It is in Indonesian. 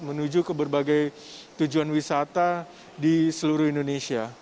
menuju ke berbagai tujuan wisata di seluruh indonesia